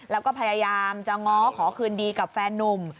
แล้วก็พยายามจะง้อขอคืนดีกับแฟนนุ่ม